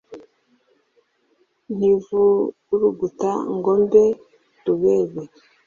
ntivuruguta ngo mbe rubebe